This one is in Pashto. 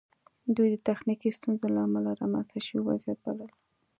دوی د تخنیکي ستونزو له امله رامنځته شوی وضعیت بلل